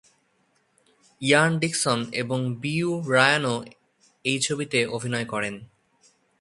ইয়ান Dixon এবং Beau রায়ানও এই ছবিতে অভিনয় করেন।